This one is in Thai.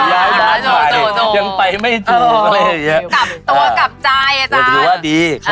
ย้ายมากไว้ยังไปไม่ถูก